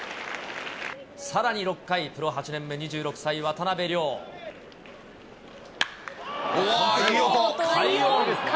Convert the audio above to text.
さらに６回、プロ８年目、２６歳、いい音。